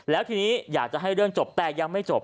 แล้วทีนี้อยากจะให้เรื่องจบแต่ยังไม่จบ